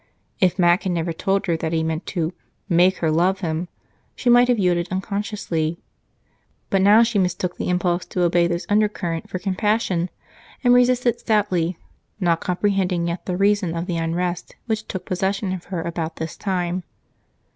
If Mac had never told her that he meant to "make her love him," she might have yielded unconsciously, but now she mistook the impulse to obey this undercurrent for compassion and resisted stoutly, not comprehending yet the reason for the unrest which took possession of her about this time.